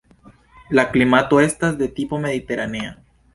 La klimato estas de tipo mediteranea.